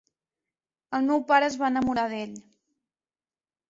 El meu pare es va enamorar d'ell.